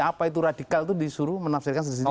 apa itu radikal itu disuruh menafsirkan sendiri sendiri